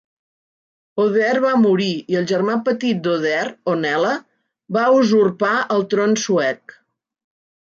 Ohthere va morir, i el germà petit d'Ohthere, Onela, va usurpar el tron suec.